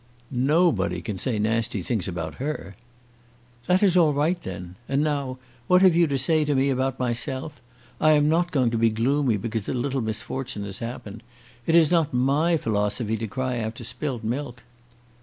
"Nobody can say nasty things about her." "That is all right, then. And now what have you to say to me about myself? I am not going to be gloomy because a little misfortune has happened. It is not my philosophy to cry after spilt milk."